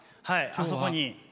あそこに。